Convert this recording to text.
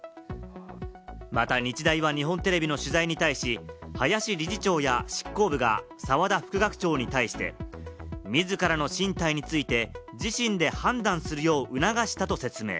また日大は日本テレビの取材に対し、林理事長や執行部が澤田副学長に対して自らの進退について自身で判断するよう促したと説明。